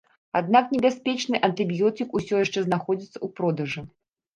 Аднак небяспечны антыбіётык усё яшчэ знаходзіцца ў продажы.